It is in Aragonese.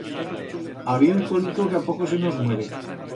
Habié un colico que a poco se nos muere.